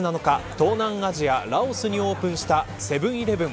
東南アジア・ラオスにオープンしたセブン‐イレブン